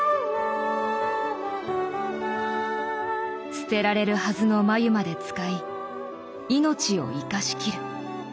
捨てられるはずの繭まで使い命を生かしきる。